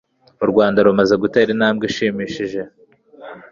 u rwanda rumaze gutera intambwe ishimishije